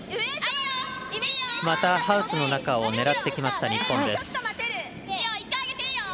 またハウスの中を狙ってきました、日本です。